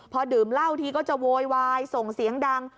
พอดื่มเหล้าทีก็จะโวยวายส่งเสียงดัง